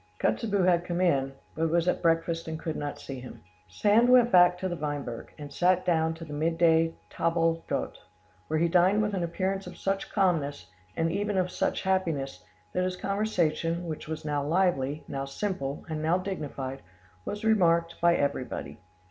Kotzebue had come in, but was at breakfast and could not see him. Sand went back to the Weinberg, and sat down to the midday table d'hote, where he dined with an appearance of such calmness, and even of such happiness, that his conversation, which was now lively, now simple, and now dignified, was remarked by everybody.